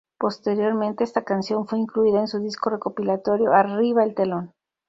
Posteriormente esta canción fue incluida en su disco recopilatorio "Arriba el telón".